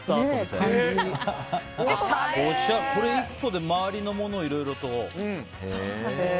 これ１個で周りのものがいろいろと。